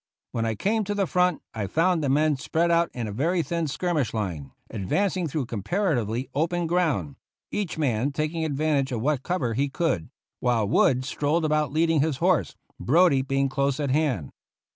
When I came to the front I found the men spread out in a very thin skir mish line, advancing through comparatively open ground, each man taking advantage of what cover he could, while Wood strolled about leading his 9b GENERAL YOUNG'S FIGHT horse, Brodie being close at hand.